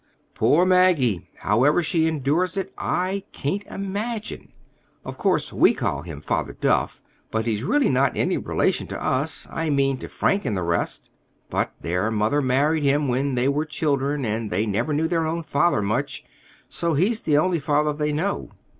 Poor Maggie! How ever she endures it, I can't imagine. Of course, we call him Father Duff, but he's really not any relation to us—I mean to Frank and the rest. But their mother married him when they were children, and they never knew their own father much, so he's the only father they know.